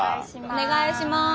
お願いします。